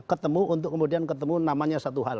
ketemu untuk kemudian ketemu namanya satu hal